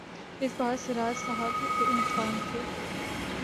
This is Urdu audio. اس بار سراج صاحب میزبان تھے۔